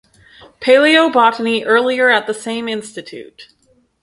Paleobotany earlier at the same institute.